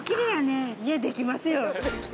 ええ、できますよ。